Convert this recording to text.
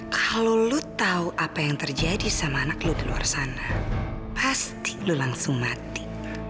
kalau lo tahu apa yang terjadi sama anak lu ke luar sana pasti lo langsung mati